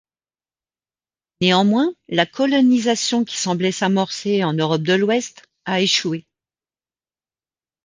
Néanmoins, la colonisation qui semblait s’amorcer en Europe de l’Ouest a échoué.